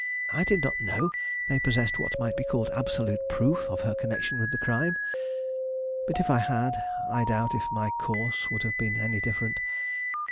I did not know they possessed what might be called absolute proof of her connection with the crime. But if I had, I doubt if my course would have been any different.